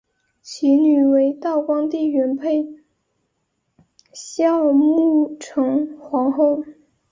其女为道光帝元配孝穆成皇后。